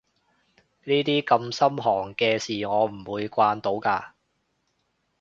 呢啲咁心寒嘅事我唔會慣到㗎